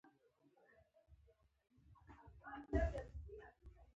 پوخ عقل ژور فکر کوي